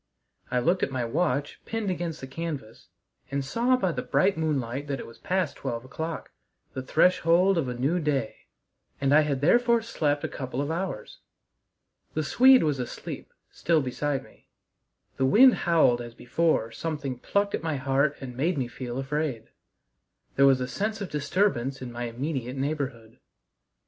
I looked at my watch pinned against the canvas, and saw by the bright moonlight that it was past twelve o'clock the threshold of a new day and I had therefore slept a couple of hours. The Swede was asleep still beside me; the wind howled as before something plucked at my heart and made me feel afraid. There was a sense of disturbance in my immediate neighborhood.